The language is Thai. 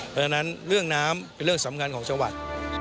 เพราะฉะนั้นเรื่องน้ำเป็นเรื่องสำคัญของจังหวัด